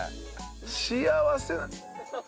幸せな。